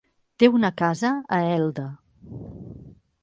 Té una casa a Elda.